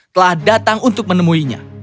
telah datang untuk menemuinya